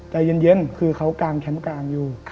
ใจเย็นคือเขากางแคมป์กลางอยู่